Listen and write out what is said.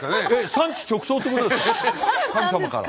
産地直送ってことですか。